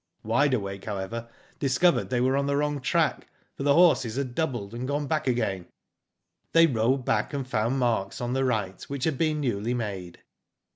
Wide Awake however discovered they were on the wrong track, for the horses had doubled, and gone back again. "They rode back, and found marks on the right, which had been newly made.